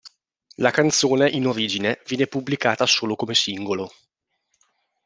La canzone, in origine, viene pubblicata solo come singolo.